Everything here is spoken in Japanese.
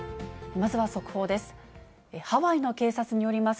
まずは速報です。